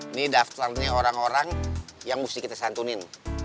ini daftarnya orang orang yang mesti kita santunin